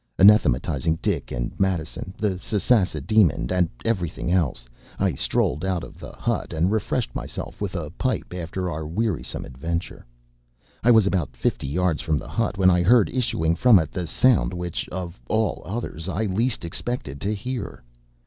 Anathematising Dick and Madison, the Sasassa demon, and everything else, I strolled out of the hut, and refreshed myself with a pipe after our wearisome adventure. I was about fifty yards from the hut, when I heard issuing from it the sound which of all others I least expected to hear.